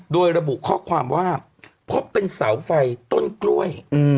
โดยระบุข้อความว่าพบเป็นเสาไฟต้นกล้วย